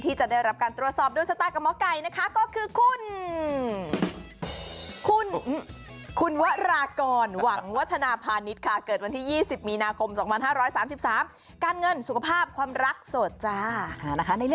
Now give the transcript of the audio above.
ที่จะได้รับการตรวจสอบโดยสตาร์คกับหมอไก้